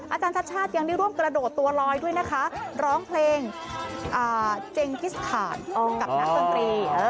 อาจารย์ชาติชาติยังได้ร่วมกระโดดตัวลอยด้วยนะคะร้องเพลงเจงกิสถานกับนักดนตรี